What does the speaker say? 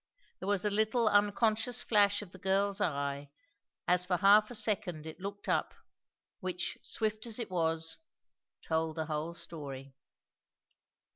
There was a little unconscious flash of the girl's eye, as for half a second it looked up, which swift as it was, told the whole story.